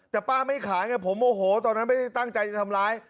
แต่ป้าไม่ขายผมโอ้โหตอนนั้นไม่ตั้งใจทำร้าย